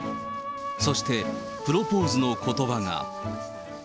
そしてプロポーズのことばが。